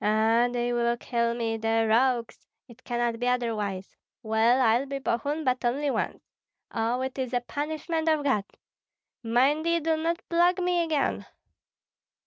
"Ah, they will kill me, the rogues; it cannot be otherwise. Well, I'll be Bogun, but only once. Oh, it is a punishment of God! Mind ye do not plague me again!"